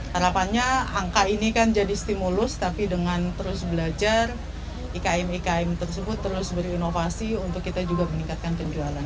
harapannya angka ini kan jadi stimulus tapi dengan terus belajar ikm ikm tersebut terus berinovasi untuk kita juga meningkatkan penjualan